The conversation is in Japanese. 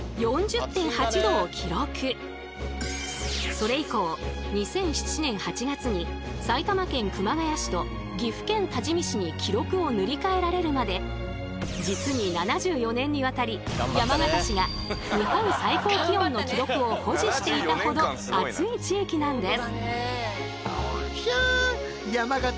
それ以降２００７年８月に埼玉県熊谷市と岐阜県多治見市に記録を塗り替えられるまで実に７４年にわたり山形市が日本最高気温の記録を保持していたほど暑い地域なんです。